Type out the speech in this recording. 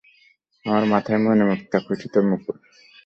তার মাথায় মণিমুক্তা খচিত মুকুট।